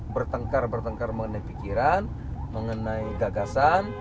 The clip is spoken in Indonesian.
bertengkar bertengkar mengenai pikiran mengenai gagasan